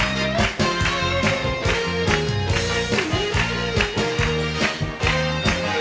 ถ้าตอบถูกเป็นคนแรกขึ้นมาเลย